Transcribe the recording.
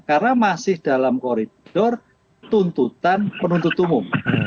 karena masih dalam koridor tuntutan penuntut umum